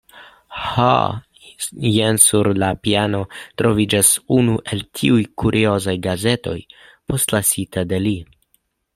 Ho, jen sur la piano troviĝas unu el tiuj kuriozaj gazetoj postlasita de li.